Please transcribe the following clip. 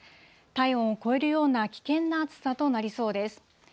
体温を超えるような危険な暑さとなりそうです。